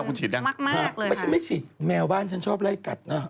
ไม่ใช่ไหมฉีดแมวบ้านฉันชอบไล่กัดนะ